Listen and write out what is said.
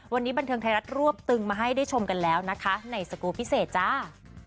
วันนี้บันเทิงไทยรัฐรวบตึงมาให้ได้ชมกันแล้วนะคะในสกูลพิเศษจ้า